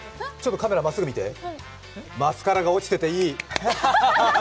カメラさん、見て、マスカラが落ちてていい。